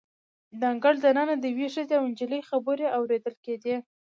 د انګړ د ننه د یوې ښځې او نجلۍ خبرې اوریدل کیدې.